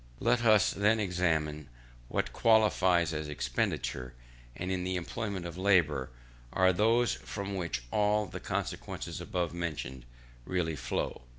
Let us then examine what qualities in expenditure, and in the employment of labour, are those from which all the consequences above mentioned really flow.